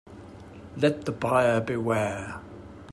Let the buyer beware.